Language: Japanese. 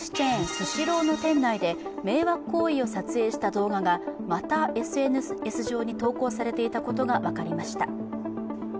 ・スシローの店内で迷惑行為を撮影した動画がまたＳＮＳ上に投稿されていたことが分かりました。